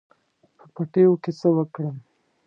په پټیو کې څه وکړم.